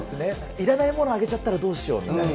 いらないものあげちゃったらどうしますみたいな。